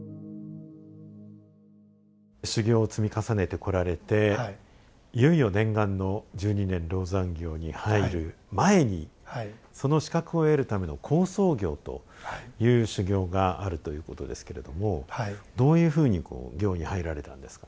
修行を積み重ねてこられていよいよ念願の十二年籠山行に入る前にその資格を得るための「好相行」という修行があるということですけれどもどういうふうにこう行に入られたんですか？